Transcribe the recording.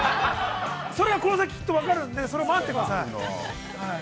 それがこの先、きっと分かるんで、待ってください。